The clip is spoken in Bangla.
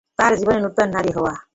তার জীবনে নতুন নারী হওয়া।